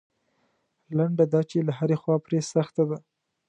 لنډه دا چې له هرې خوا پرې سخته ده.